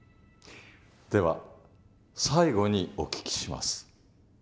では最後にお聞きします。